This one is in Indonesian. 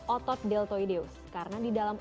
otot deltoideus karena di dalam